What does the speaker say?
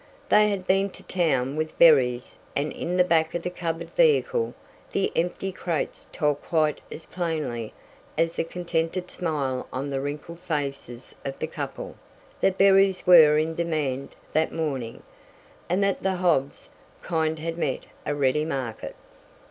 They had been to town with berries and in the back of the covered vehicle the empty crates told quite as plainly as the contented smile on the wrinkled faces of the couple, that berries were in demand that morning, and that the Hobbs' kind had met a ready market.